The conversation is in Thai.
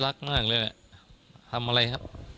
โอ้ยรักมากเลยนะทำอะไรครับ